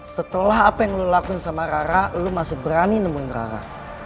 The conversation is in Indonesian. setelah apa yang lo lakuin sama rara lo masih berani nemuin rara